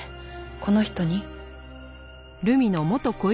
この人に？